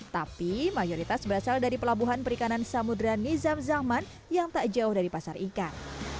tapi mayoritas berasal dari pelabuhan perikanan samudera nizam zaman yang tak jauh dari pasar ikan